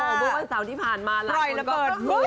โอ้โหวันเสาร์ที่ผ่านมาหลายคนก็รู้